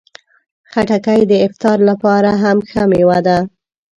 خټکی د افطار لپاره هم ښه مېوه ده.